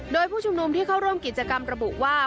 โดยผู้ชุมนุมที่เข้าร่วมกิจกรรมระบุว่า